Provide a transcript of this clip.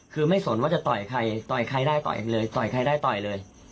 คือไม่สนว่าจะต่อยใครต่อยใครได้ต่อยเลยต่อยใครได้ต่อยเลย